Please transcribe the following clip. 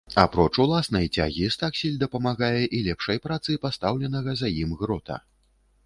Апроч уласнай цягі, стаксель дапамагае і лепшай працы пастаўленага за ім грота.